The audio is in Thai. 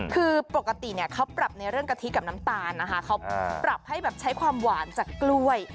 คือปกติเนี่ยเขาปรับในเรื่องกะทิกับน้ำตาลนะคะเขาปรับให้แบบใช้ความหวานจากกล้วย